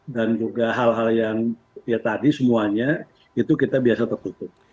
dan juga hal hal yang tadi semuanya itu kita biasa tertutup